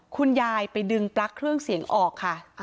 คุณยายไปดึงปลั๊กเครื่องเสียงออกค่ะ